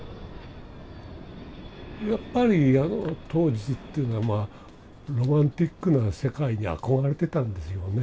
やっぱりあの当時っていうのはまあロマンティックな世界に憧れてたんですよね。